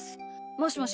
もしもし？